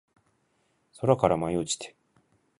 空から舞い落ちて